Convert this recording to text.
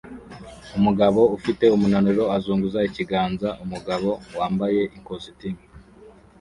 Umugabo ufite umunaniro azunguza ikiganza umugabo wambaye ikositimu